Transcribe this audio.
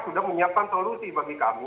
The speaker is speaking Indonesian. sudah menyiapkan solusi bagi kami